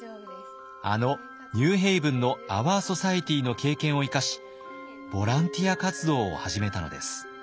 あのニューヘイブンのアワー・ソサエティの経験を生かしボランティア活動を始めたのです。